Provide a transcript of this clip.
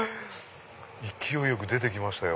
勢いよく出て来ましたよ。